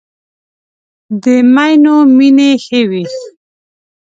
د مینو مینې ښې وې.